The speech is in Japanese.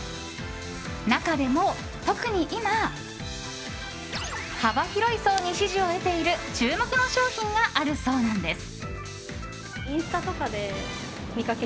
中でも特に今幅広い層に支持を得ている注目の商品があるそうなんです。